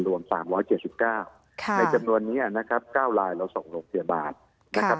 รวม๓๗๙ในจำนวนนี้นะครับ๙ลายเราส่งโรงพยาบาลนะครับ